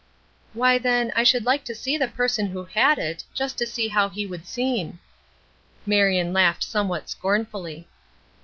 "Why, then, I should like to see the person who had it, just to see how he would seem." Marion laughed somewhat scornfully.